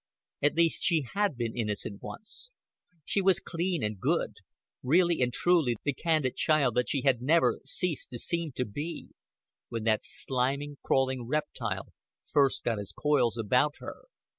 At least she had been innocent once. She was clean and good really and truly the candid child that she had never ceased to seem to be when that sliming, crawling reptile first got his coils about her.